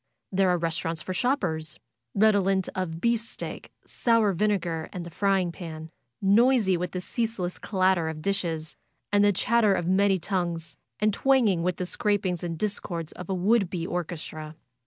There are restaurants for shoppers, redo lent of beefsteak, sour vinegar and the frying pan; noisy with the ceaseless clatter of dishes and the chat ter of many tongues, and twanging with the scrapings and discords of a would be orchestra.